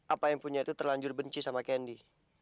apa yang punya itu terlanjur benci sama kendi